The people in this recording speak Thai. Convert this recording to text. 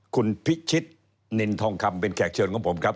คุณพิชิตนินทองคำเป็นแขกเชิญของผมครับ